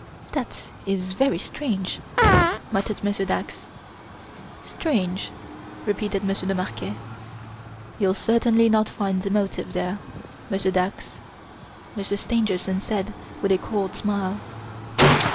"That is very strange!" muttered Monsieur Dax. "Strange!" repeated Monsieur de Marquet. "You'll certainly not find the motive there, Monsieur Dax," Monsieur Stangerson said with a cold smile.